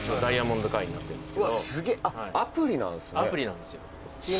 アプリなんですよ